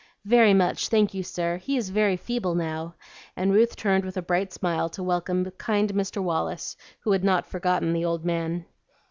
"Very much, thank you, sir. He is very feeble now;" and Ruth turned with a bright smile to welcome kind Mr. Wallace, who had not forgotten the old man.